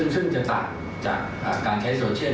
ซึ่งจะต่างจากการใช้โซเชียล